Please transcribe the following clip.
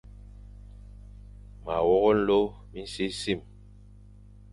Ma wok nlô minsim.